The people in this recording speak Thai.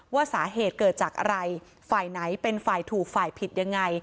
ว่าสาเหตุเกิดจากอะไรฝ่ายไหนเป็นฝ่ายถูกฝ่ายผิดยังไง